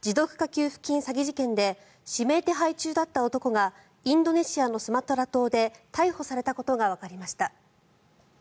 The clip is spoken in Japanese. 給付金詐欺事件で指名手配中だった男がインドネシアのスマトラ島で逮捕されたことがわかりました。